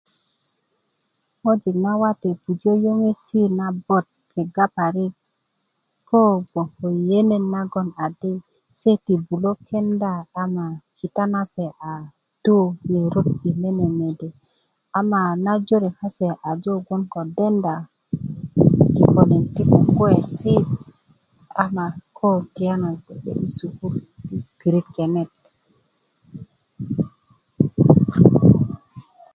ŋojik nawate pupu yöŋesi' nabot kegga parik koo gboŋ ko yenet nagoŋ adi se ti bulö kenda ama kita nase a tu yi ŋerot i nene mede ama najore kase ajo gboŋ ko denda kikolin ti kukuwesi' ama tiyana koko gbe yi sukulu yi pirit kenet